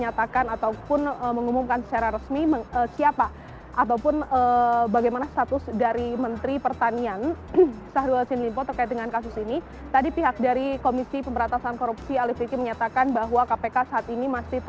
yang mana memang penggeledahan